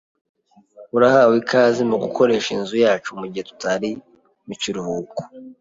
Urahawe ikaze mugukoresha inzu yacu mugihe tutari mukiruhuko.